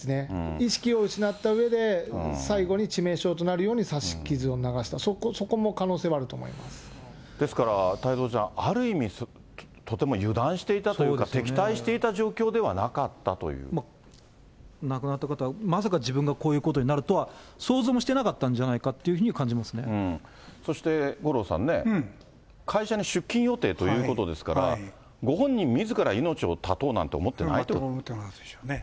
意識を失ったうえで、最後に致命傷となるような刺し傷を、そこの可能性もあると思いですから、太蔵ちゃん、ある意味とても油断していたというか、亡くなった方はまさか自分がこういうことになるとは、想像もしてなかったんじゃないかというそして五郎さんね、会社に出勤予定ということですから、ご本人みずから命を絶とうなんて思っ思ってなかったでしょうね。